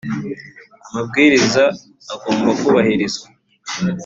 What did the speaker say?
amabwiriza agomba kubahirizwa